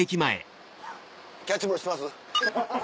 キャッチボールしてます？